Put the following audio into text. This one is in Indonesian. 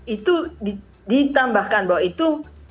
itu ditambahkan bahwa itu